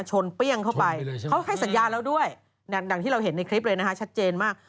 เปรี้ยงเข้าไปเขาให้สัญญาแล้วด้วยดังที่เราเห็นในคลิปเลยนะคะชัดเจนมาก